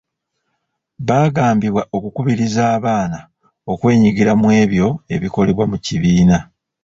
Baagambibwa okukubiriza abaana okwenyigira mu ebyo ebikolebwa mu kibiina.